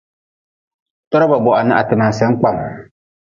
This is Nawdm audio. Toraba boha na ha ti nan sen kpam.